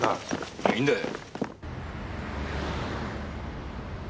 いやいいんだよ。